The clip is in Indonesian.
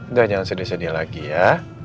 nggak jangan sedih sedih lagi ya